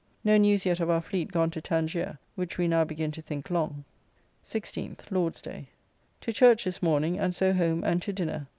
No news yet of our fleet gone to Tangier, which we now begin to think long. 16th (Lord's day). To church this morning, and so home and to dinner.